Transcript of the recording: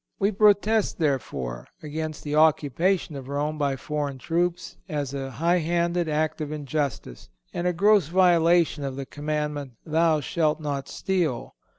We protest, therefore, against the occupation of Rome by foreign troops as a high handed act of injustice, and a gross violation of the Commandment, "Thou shalt not steal."